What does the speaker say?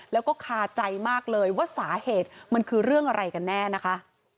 แล้วก็คาใจมากเลยว่าสาเหตุมันคือเรื่องอะไรกันแน่นะคะ